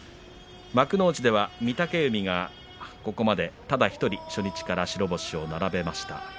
幕内では御嶽海がここまでただ１人、初日から白星を並べました。